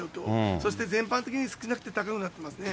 そして全般的に少なくて高くなってますね。